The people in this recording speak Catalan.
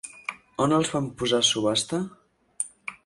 On els van posar a subhasta?